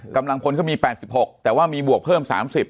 กำลังพลเขามี๘๖แต่ว่ามีบวกเพิ่ม๓๐